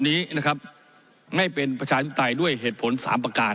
นี้นะครับไม่เป็นประชาธิปไตยด้วยเหตุผลสามประการ